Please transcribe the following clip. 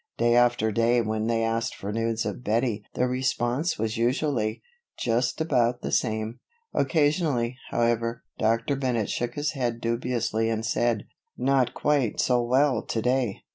Day after day when they asked for news of Bettie the response was usually, "Just about the same." Occasionally, however, Dr. Bennett shook his head dubiously and said, "Not quite so well to day."